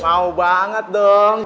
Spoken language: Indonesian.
mau banget dong